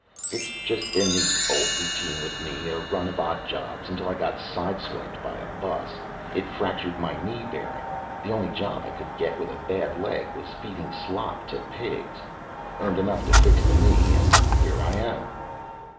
"It's just been the old routine with me, a run of odd jobs until I got side swiped by a bus it fractured my knee bearing. The only job I could get with a bad leg was feeding slops to pigs. Earned enough to fix the knee and here I am."